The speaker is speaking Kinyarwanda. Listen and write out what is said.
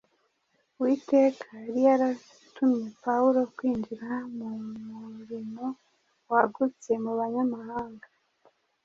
Uwiteka yari yaratumye Pawulo kwinjira mu murimo wagutse mu banyamahanga.